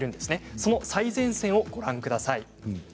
その最前線をご覧ください。